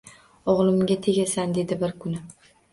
«O’g’limga tegasan», — dedi bir kuni.